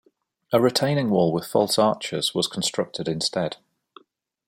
A retaining wall with false arches was constructed instead.